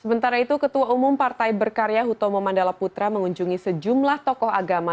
sementara itu ketua umum partai berkarya hutomo mandala putra mengunjungi sejumlah tokoh agama